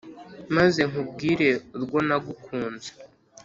maze nkubwire urwo nagukunze